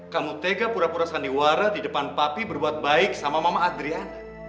kamu tega pura pura sandiwara di depan papi berbuat baik sama mama adrian